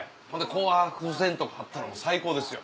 紅白戦とかあったらもう最高ですよ。